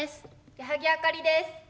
矢作あかりです。